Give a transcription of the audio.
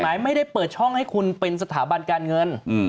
ไม่ได้เปิดช่องให้คุณเป็นสถาบันการเงิน